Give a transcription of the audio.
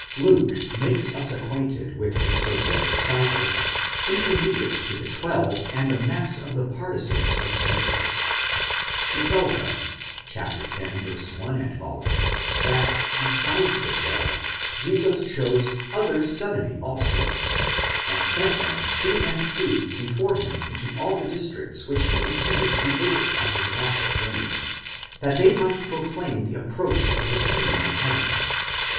Luke makes us acquainted with a circle of disciples, intermediate to the twelve and the mass of the partisans of Jesus. He tells us (x. 1 ff.) that besidés the twelve, Jesus chose other seventy also, and sent them two and two before him into all the districts which he intended to visit on his last journey, that they might proclaim the approach of the kingdom of heaven.